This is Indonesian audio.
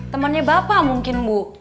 temennya bapak mungkin ibu